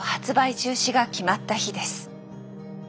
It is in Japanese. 中止が決まった日です。